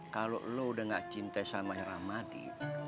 kalau lo udah gak cinta sama ramadi